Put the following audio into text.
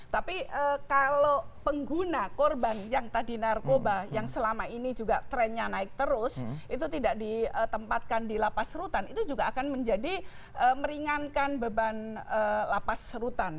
tapi kalau pengguna korban yang tadi narkoba yang selama ini juga trennya naik terus itu tidak ditempatkan di lapas rutan itu juga akan menjadi meringankan beban lapas rutan